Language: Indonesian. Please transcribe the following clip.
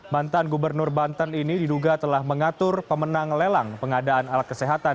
mantan gubernur banten ini diduga telah mengatur pemenang lelang pengadaan alat kesehatan